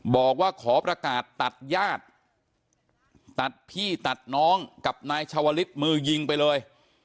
บอกว่าขอประกาศตัดญาติตัดพี่ตัดน้องกับนายชาวลิศมือยิงไปเลย